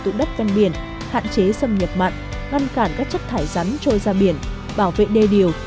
tụ đất ven biển hạn chế xâm nhập mặn ngăn cản các chất thải rắn trôi ra biển bảo vệ đê điều